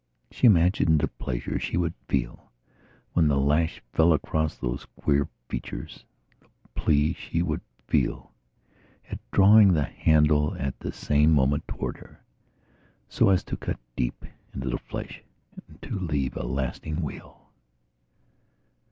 She imagined the pleasure she would feel when the lash fell across those queer features; the pleasure she would feel at drawing the handle at the same moment toward her, so as to cut deep into the flesh and to leave a lasting wheal.